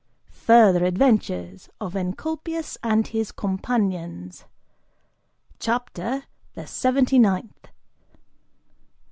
FURTHER ADVENTURES OF ENCOLPIUS AND HIS COMPANIONS CHAPTER THE SEVENTY NINTH.